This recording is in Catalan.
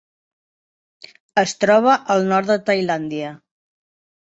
Es troba al nord de Tailàndia.